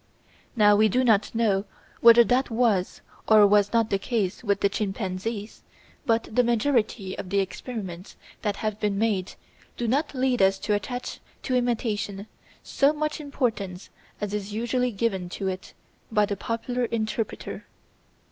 Now we do not know whether that was or was not the case with the chimpanzees, but the majority of the experiments that have been made do not lead us to attach to imitation so much importance as is usually given to it by the popular interpreter.